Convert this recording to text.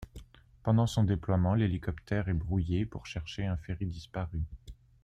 Pendant son déploiement, l'hélicoptère est brouillé pour chercher un ferry disparu.